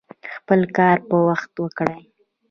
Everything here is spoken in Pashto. خپل کار په وخت وکړئ